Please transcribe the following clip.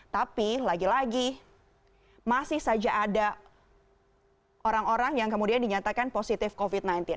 tapi lagi lagi masih saja ada orang orang yang kemudian dinyatakan positif covid sembilan belas